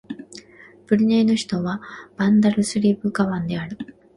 ブルネイの首都はバンダルスリブガワンである